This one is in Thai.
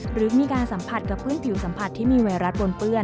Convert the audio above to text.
หรือมีการสัมผัสกับพื้นผิวสัมผัสที่มีไวรัสปนเปื้อน